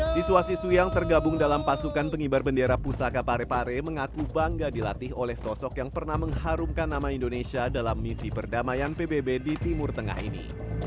siswa siswi yang tergabung dalam pasukan pengibar bendera pusaka parepare mengaku bangga dilatih oleh sosok yang pernah mengharumkan nama indonesia dalam misi perdamaian pbb di timur tengah ini